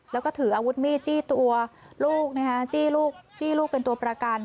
แล้วก็ถืออาวุธมีดจี้ตัวลูกจี้ลูกจี้ลูกเป็นตัวประกัน